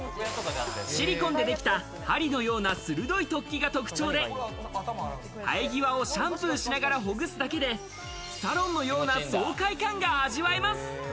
シリコンでできた、針のような鋭い突起が特徴で、生え際をシャンプーしながら、ほぐすだけでサロンのような爽快感が味わえます。